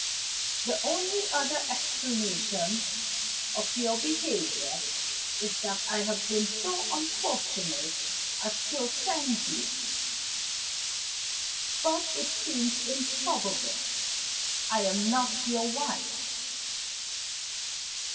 The only other explanation of your behavior is that I have been so unfortunate as to offend you. But it seems improbable I am not your wife."